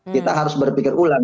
kita harus berpikir ulang